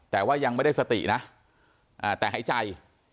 แต่ว่ายังไม่ได้สตินะแต่หายใจ